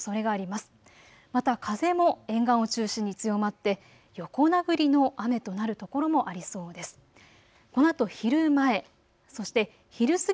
また風も沿岸を中心に強まって横殴りの雨となる所もありそうです。